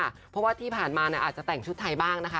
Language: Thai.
เพราะว่าที่ผ่านมาอาจจะแต่งชุดไทยบ้างนะคะ